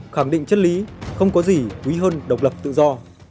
khẳng định chất lý không có gì quý hơn độc lập tự do